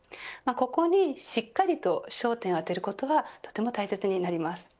ここにしっかり焦点を当てることはとても大切になります。